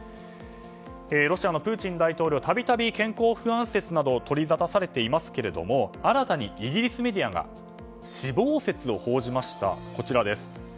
ロシアのプーチン大統領度々、健康不安説などが取りざたされていますけれども新たにイギリスメディアが死亡説を報じました。